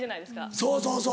そうそうそう。